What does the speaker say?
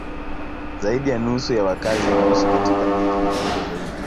Zaidi ya nusu ya wakazi huishi katika miji mikubwa zaidi.